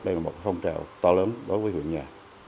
đây là một phong trào to lớn đối với huyện nhà